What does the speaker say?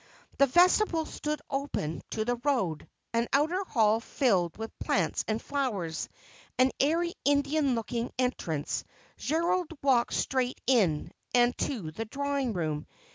The vestibule stood open to the road, an outer hall filled with plants and flowers, an airy Italian looking entrance. Gerald walked straight in, and to the drawing room.